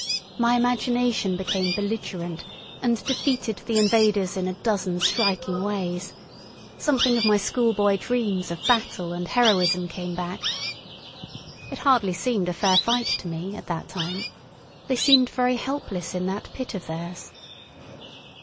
My imagination became belligerent, and defeated the invaders in a dozen striking ways; something of my schoolboy dreams of battle and heroism came back. It hardly seemed a fair fight to me at that time. They seemed very helpless in that pit of theirs.